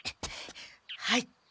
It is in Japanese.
はい。